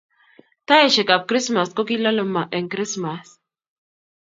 Taeshek ab krismas ko kilale ma eng krismas